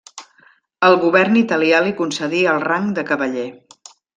El govern italià li concedí el rang de cavaller.